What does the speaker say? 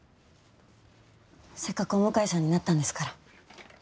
せっかくお向かいさんになったんですから。